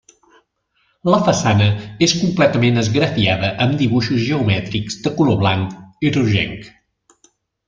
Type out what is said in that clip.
La façana és completament esgrafiada amb dibuixos geomètrics de color blanc i rogenc.